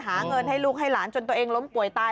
หาเงินให้ลูกให้หลานจนตัวเองล้มป่วยตาย